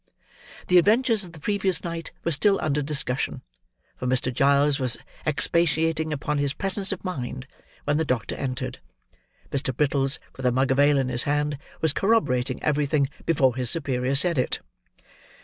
The adventures of the previous night were still under discussion; for Mr. Giles was expatiating upon his presence of mind, when the doctor entered; Mr. Brittles, with a mug of ale in his hand, was corroborating everything, before his superior said it.